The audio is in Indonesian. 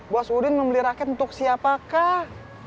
bos udin membeli rakyat untuk siapakah